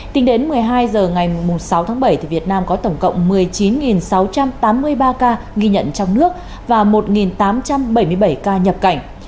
tính đến một mươi hai h ngày sáu tháng bảy việt nam có tổng cộng một mươi chín sáu trăm tám mươi ba ca ghi nhận trong nước và một tám trăm bảy mươi bảy ca nhập cảnh